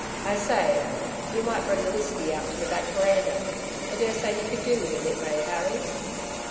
'I say you might bring the whisky out to the back veranda. I daresay you could do with a nip, eh, Harry?'